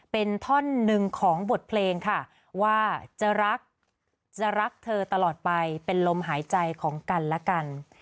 เป็นท่อนหนึ่งของบทเพลงค่ะว่าจะรักจะรักเธอตลอดไปเป็นลมหายใจของกันและกัน